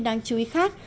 đáng chú ý khác